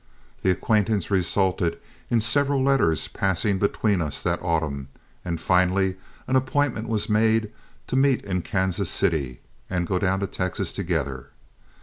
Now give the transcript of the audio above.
The acquaintance resulted in several letters passing between us that autumn, and finally an appointment was made to meet in Kansas City and go down to Texas together.